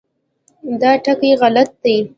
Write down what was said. دا ټکي غلط دي.